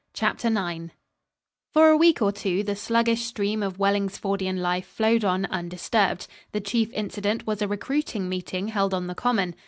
CHAPTER IX For a week or two the sluggish stream of Wellingsfordian life flowed on undisturbed. The chief incident was a recruiting meeting held on the Common.